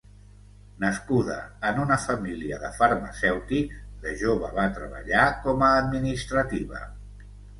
Nascuda en una família de farmacèutics, de jove va treballar com a administrativa.